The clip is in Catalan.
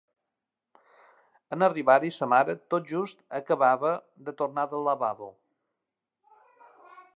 En arribar-hi, sa mare tot just acabava de tornar del lavabo.